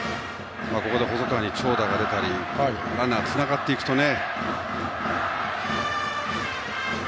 ここで細川に長打が出たりランナーがつながっていくとね。